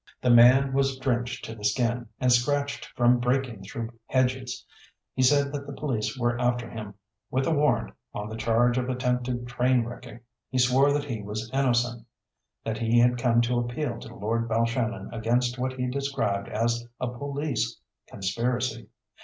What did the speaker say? "The man was drenched to the skin, and scratched from breaking through hedges. He said that the police were after him with a warrant on the charge of attempted train wrecking. He swore that he was innocent, that he had come to appeal to Lord Balshannon against what he described as a police conspiracy.